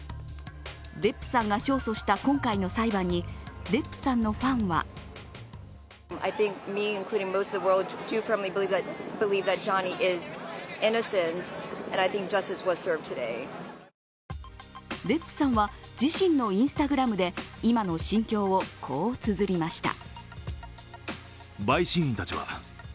デップさんが勝訴した今回の裁判にデップさんのファンはデップさんは、自身のＩｎｓｔａｇｒａｍで今の心境をこうつづりました。